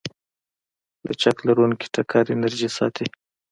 لچک لرونکی ټکر انرژي ساتي.